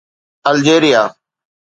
الجيريا